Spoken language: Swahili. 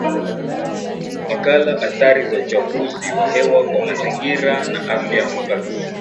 Makala Athari za Uchafuzi wa Hewa kwa Mazingira na Afya Ukaguzi